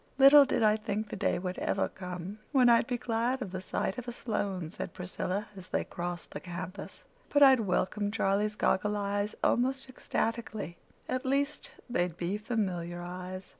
"Little did I think the day would ever come when I'd be glad of the sight of a Sloane," said Priscilla, as they crossed the campus, "but I'd welcome Charlie's goggle eyes almost ecstatically. At least, they'd be familiar eyes."